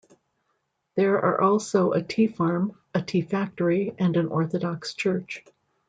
There are also a tea farm, a tea factory and an Orthodox church.